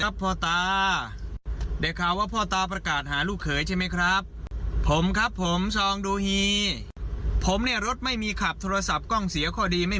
อ่าอาจคลิปประกาศคุณสมบัติเอาไว้อ่าไปชมที่เค้าพูดเอาไว้หน่อย